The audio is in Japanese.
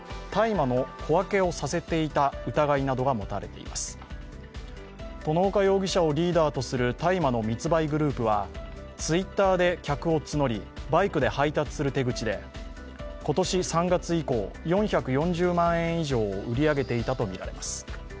２人です外岡容疑者をリーダーとする大麻の密売グループはＴｗｉｔｔｅｒで客を募りバイクで配達する手口で今年３月以降、４４０万円以上を売り上げていたとみられています。